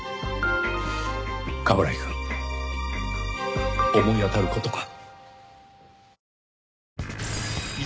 冠城くん思い当たる事が。